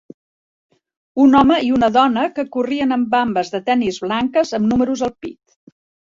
Un home i una dona que corrien amb vambes de tennis blanques amb números al pit.